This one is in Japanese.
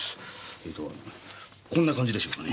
えーとこんな感じでしょうかね。